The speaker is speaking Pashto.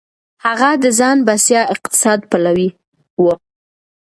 هغه د ځان بسيا اقتصاد پلوی و.